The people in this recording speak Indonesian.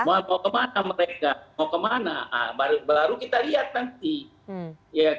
mau kemana mereka mau kemana baru kita lihat nanti